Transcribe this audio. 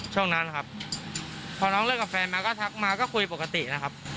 ช่วงนั้นครับพอน้องเลิกกับแฟนมาก็ทักมาก็คุยปกตินะครับ